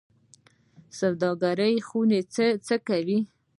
سوداګرۍ خونې څه کوي؟